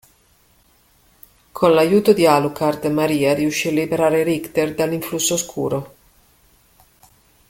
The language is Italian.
Con l'aiuto di Alucard, Maria riuscì a liberare Richter dall'influsso oscuro.